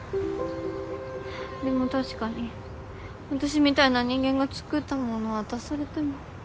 でも確かに私みたいな人間が作ったもの渡されても。